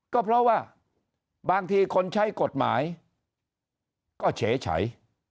ก็เพราะว่าบางทีคนใช้กฎหมายก็เฉย